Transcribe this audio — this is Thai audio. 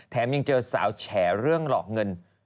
ยังเจอสาวแฉเรื่องหลอกเงิน